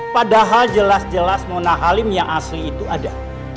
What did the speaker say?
padahal jelas jelas mona halim yang asli itu ada